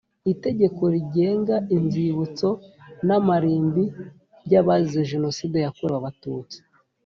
itegeko rigenga inzibutso n amarimbi by abazize Jenoside yakorewe Abatutsi